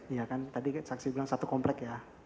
iya kan tadi saksi bilang satu komplek ya